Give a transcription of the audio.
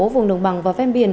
vùng đồng bằng và phem biển